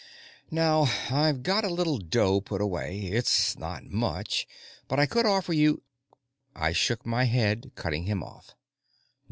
"Now, I've got a little dough put away; it's not much, but I could offer you " I shook my head, cutting him off.